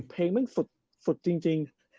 เพลงแม่งสุดจริง